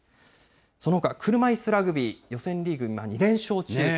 そのほか車いすラグビー、予選リーグ２連勝中。